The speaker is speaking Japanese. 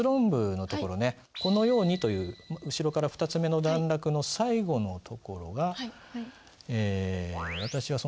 「このように」という後ろから２つ目の段落の最後のところが。